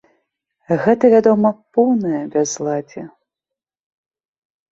Гэта вядома поўнае бязладдзе.